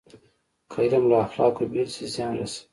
که علم له اخلاقو بېل شي، زیان رسوي.